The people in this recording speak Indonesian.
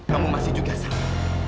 kamu masih juga sabar